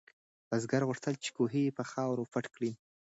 بزګر غوښتل چې کوهی په خاورو پټ کړي.